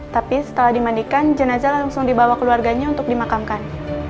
tapi setelah dimandikan jenazah langsung dibawa keluarganya untuk dimakamkan